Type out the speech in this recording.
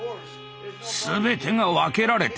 全てが分けられている。